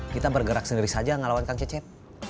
kita bergerak sendiri saja ngelawan kang cecep